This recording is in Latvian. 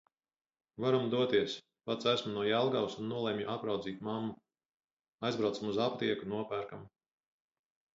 Varam doties, pats esmu no Jelgavas un nolemju apraudzīt mammu. Aizbraucam uz aptieku, nopērkam.